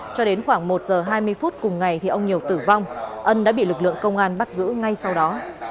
cho đến khoảng một giờ hai mươi phút cùng ngày thì ông nhiều tử vong ân đã bị lực lượng công an bắt giữ ngay sau đó